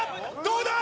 どうだ！？